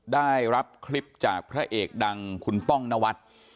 ได้รับคลิปจากพระเอกดังคุณป้องนวัฒน์